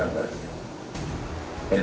informasi yang terima